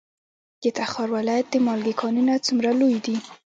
د تخار ولایت د مالګې کانونه څومره لوی دي؟